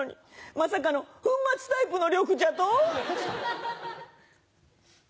まさかの粉末タイプの緑茶と！